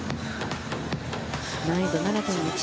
難易度７．１。